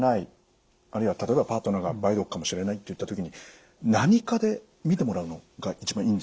あるいは例えばパートナーが梅毒かもしれないっていった時に何科で診てもらうのが一番いいんでしょうか？